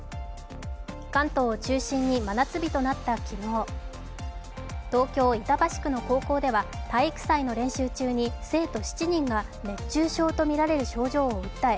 関東を中心に真夏日となった昨日東京・板橋区の高校では体育祭の練習中に生徒７人が熱中症とみられる症状を訴え